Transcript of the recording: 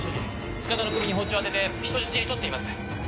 塚田の首に包丁を当てて人質に取っています。